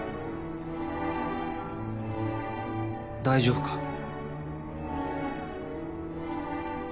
大丈夫か？